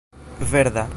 verda